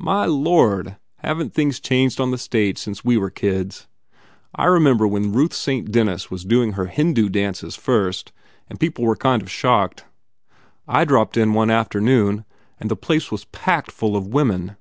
My lord, haven t things changed on the stage since we were kids! I remember when Ruth Saint Denis was doing her Hindoo dances first and people were kind of shocked. I dropped in one afternoon and the place was packed full of women.